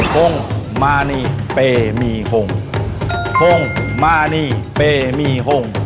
คงมณีเปมีฮง